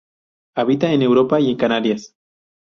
Habita en Europa y en Canarias.